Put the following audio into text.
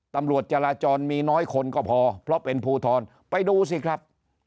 ตำรวจจราจรมีน้อยคนก็พอเพราะเป็นภูทรไปดูสิครับ